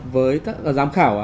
với giám khảo